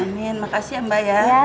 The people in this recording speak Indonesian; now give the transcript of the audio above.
makasih mbak ya